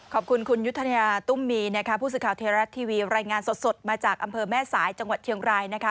ขอบคุณคุณยุธยาตุ้มมีนะคะผู้สื่อข่าวเทราะทีวีรายงานสดมาจากอำเภอแม่สายจังหวัดเชียงรายนะคะ